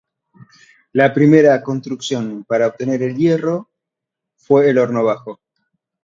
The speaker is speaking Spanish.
La primera construcción para obtener el hierro fue el horno bajo.